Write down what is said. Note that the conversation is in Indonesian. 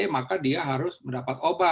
maka dia harus mendapat obat